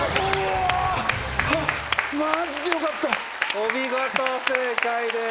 お見事正解です。